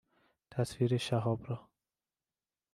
تصویر شهاب را